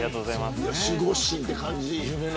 守護神っていう感じ。